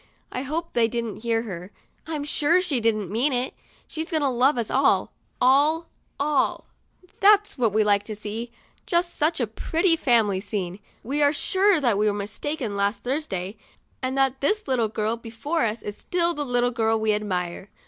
I hope they didn't hear her; I'm sure she didn't mean it. She's going to love us all, all, all ! I can hear the sparrows chirping in a duet. " That's what we like to see — just such a pretty family scene. We are sure that we were mistaken last Thurs day, and that this little girl before us is still the little girl we admire.